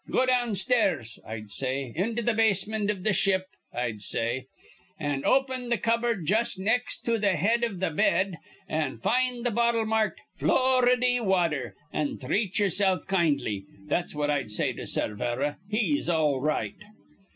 Go downstairs,' I'd say, 'into th' basemint iv the ship,' I'd say, 'an' open th' cupboard jus' nex' to th' head iv th' bed, an' find th' bottle marked "Floridy Wather," an' threat ye'ersilf kindly.' That's what I'd say to Cervera. He's all right.